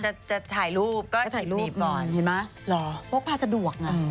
จะถ่ายรูปก็สิบหนีบก่อนพกพาสะดวกนะ